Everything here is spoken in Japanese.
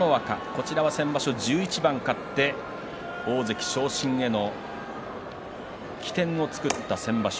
こちらは先場所１１番勝って大関昇進への起点を作った先場所。